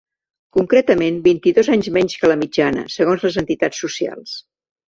Concretament, vint-i-dos anys menys que la mitjana, segons les entitats socials.